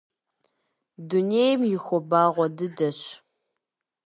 Дунейм и хуабэгъуэ дыдэщ.